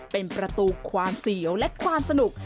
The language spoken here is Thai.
เป็นประตูความเสียวและความสนุก